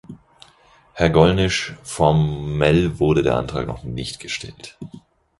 Herr Gollnisch, formell wurde der Antrag noch nicht gestellt.